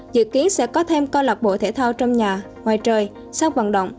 dự kiến sẽ có thêm câu lạc bộ thể thao trong nhà ngoài trời sau vận động